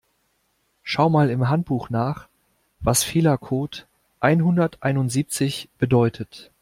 Schau mal im Handbuch nach, was Fehlercode einhunderteinundsiebzig bedeutet.